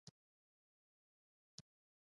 د خوراکي موادو لست کول چې د تیزابونو لرونکي دي.